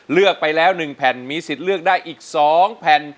เลือกไปแล้ว๑แผ่นมีสิทธิ์เลือกได้อีก๒แผ่น